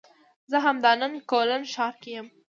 زه همدا نن کولن ښار کې یم